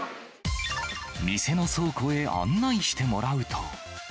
店の倉庫へ案内してもらうと。